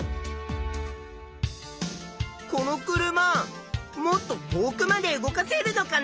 この車もっと遠くまで動かせるのかなあ？